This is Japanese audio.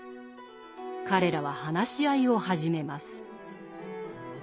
彼らは話し合いを始めます。